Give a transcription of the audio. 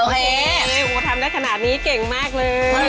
แม่โหทำได้ขนาดนี้เก่งมากเลย